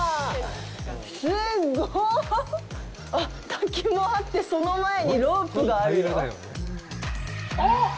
滝もあってその前にロープがあるよ。